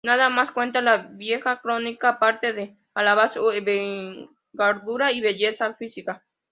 Nada más cuenta la vieja crónica, aparte de alabar su envergadura y belleza física.